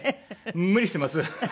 無理してます。